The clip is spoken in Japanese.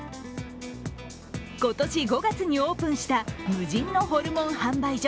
今年５月にオープンした無人のホルモン販売所